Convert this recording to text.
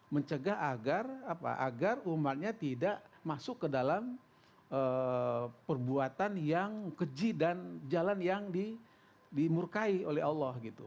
mencegah agar umatnya tidak masuk ke dalam perbuatan yang keji dan jalan yang dimurkai oleh allah gitu